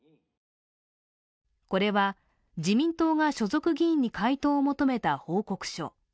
これは自民党が所属議員に回答を求めた報告書。